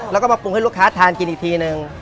แล้วก็มาปรุงให้ลูกค้าทานกินอีกทีนึง